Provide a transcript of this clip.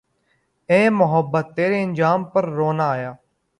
اے محبت تیرے انجام پہ رونا آیا